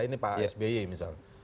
ini pak sby misalnya